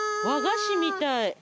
和菓子みたい。